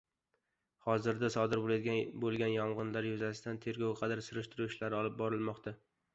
Hozirda sodir bo‘lgan yong‘inlar yuzasidan tergovga qadar surushtiruv ishlari olib borilmoqda